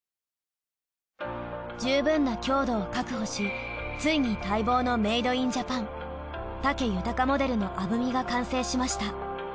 十分な強度を確保しついに待望のメイドインジャパン武豊モデルのアブミが完成しました。